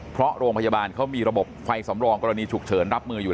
เพราะโรงพยาบาลเขามีระบบไฟสำรองกรณีฉุกเฉินรับมืออยู่